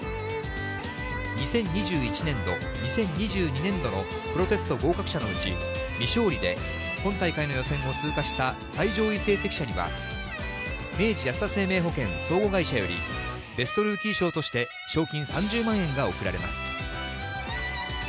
２０２１年度、２０２２年度のプロテスト合格者のうち、未勝利で、今大会の予選を通過した最上位成績者には、明治安田生命保険相互会社より、ベストルーキー賞として賞金３０万円が贈られます。